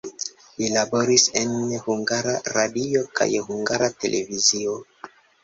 Li laboris en Hungara Radio kaj Hungara Televizio.